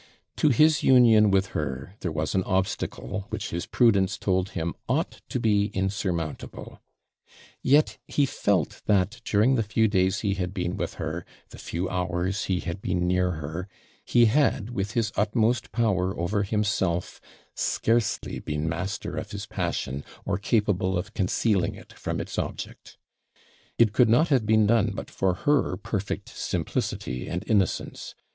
To his union with her there was an obstacle, which his prudence told him ought to be insurmountable; yet he felt that, during the few days he had been with her, the few hours he had been near her, he had, with his utmost power over himself, scarcely been master of his passion, or capable of concealing it from its object. It could not have been done but for her perfect simplicity and innocence.